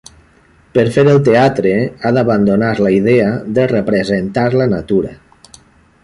Per fer el teatre ha d'abandonar la idea de representar la natura.